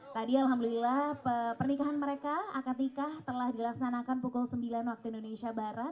tadi alhamdulillah pernikahan mereka akad nikah telah dilaksanakan pukul sembilan waktu indonesia barat